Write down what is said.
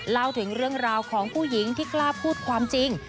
เล่าถึงเรื่องราวของผู้หญิงที่กล้าพูดความจริง